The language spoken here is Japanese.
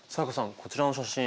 こちらの写真。